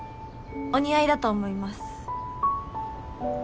お似合いだと思います。